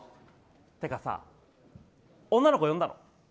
てかさ、女の子呼んだの？